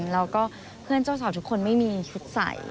แล้วก็เพื่อนเจ้าสาวทุกคนไม่มีชุดใส่